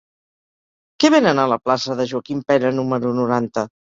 Què venen a la plaça de Joaquim Pena número noranta?